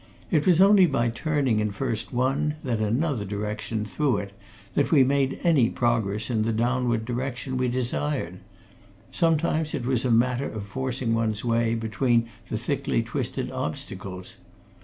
It was only by turning in first one, then another direction through it that we made any progress in the downward direction we desired; sometimes it was a matter of forcing one's way between the thickly twisted obstacles.